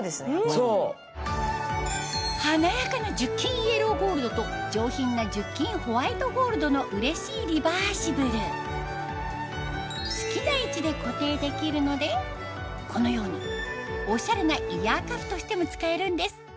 華やかな１０金イエローゴールドと上品な１０金ホワイトゴールドのうれしいリバーシブルできるのでこのようにオシャレなイヤーカフとしても使えるんです